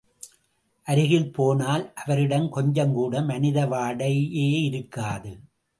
அருகில் போனால், அவரிடம் கொஞ்சம்கூட மனிதவாடையே இருக்காது.